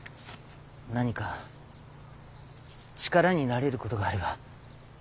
何か力になれることがあれば。